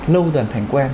lâu dần thành quen